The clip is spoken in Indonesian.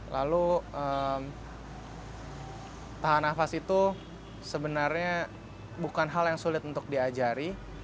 lalu tahan nafas itu sebenarnya bukan hal yang sulit untuk diajari